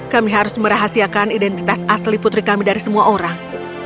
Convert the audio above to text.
kami harus merahasiakan identitas asli putri kami dari semua orang